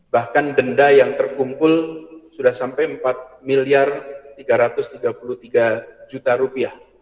bahkan denda yang terkumpul sudah sampai rp empat tiga ratus tiga puluh tiga